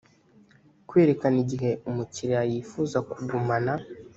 kwerekana igihe umukiriya yifuza kugumana